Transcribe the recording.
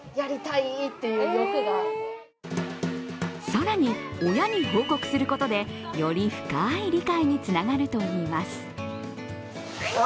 更に、親に報告することで、より深い理解につながるといいます。